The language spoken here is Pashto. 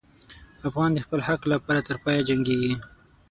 افغان د خپل حق لپاره تر پایه جنګېږي.